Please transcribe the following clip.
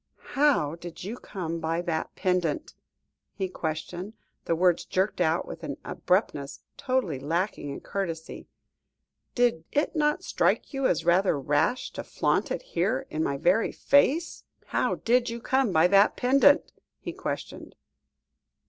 "How did you come by that pendant?" he questioned, the words jerked out with an abruptness totally lacking in courtesy. "Did it not strike you as rather rash to flaunt it here, in my very face?" [Illustration: "'How did you come by that pendant?' he questioned.